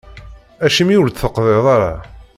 Acimi ur d-teqḍiḍ ara?